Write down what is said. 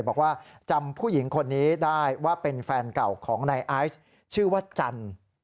บอกว่าจำผู้หญิงคนนี้ได้ว่าเป็นแฟนเก่าของนายไอซ์ชื่อว่าจันทร์